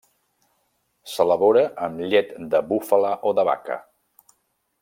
S'elabora amb la llet de búfala o de vaca.